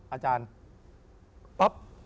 อาจารย์ปั๊บ